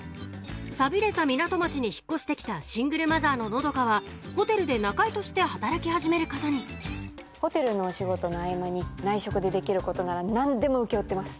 寂れた港町に引っ越して来たシングルマザーの和佳はホテルで仲居として働き始めることにホテルのお仕事の合間に内職でできることなら何でも請け負ってます。